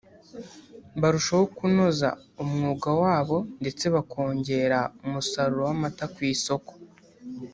barushaho kunoza umwuga wabo ndetse bakongera umusaruro w’amata ku isoko